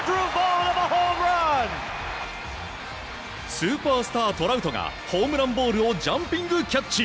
スーパースター、トラウトがホームランボールをジャンピングキャッチ！